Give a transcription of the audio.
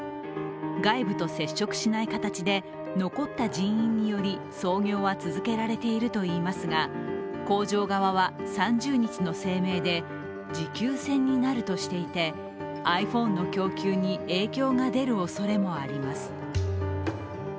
外部と接触しない形で残った人員により操業は続けられているといいますが工場側は３０日の声明で、持久戦になるとしていて、ｉＰｈｏｎｅの供給に影響が出るおそれもあります。